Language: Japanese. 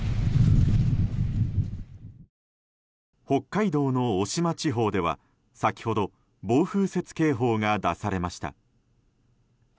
北海道の渡島地方では先ほど暴風雪警報が出されました。